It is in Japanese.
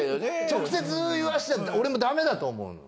直接言わせたら俺も駄目だと思うの。